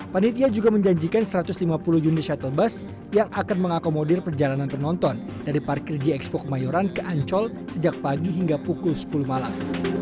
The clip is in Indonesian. panitia juga menjanjikan satu ratus lima puluh unit shuttle bus yang akan mengakomodir perjalanan penonton dari parkir gxpo kemayoran ke ancol sejak pagi hingga pukul sepuluh malam